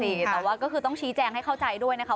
แต่ว่าก็คือต้องชี้แจงให้เข้าใจด้วยนะคะ